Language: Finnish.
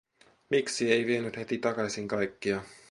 Miksi ei vienyt heti takaisin kaikkia?